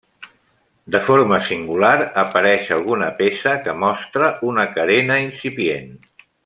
De forma singular apareix alguna peça que mostra una carena incipient.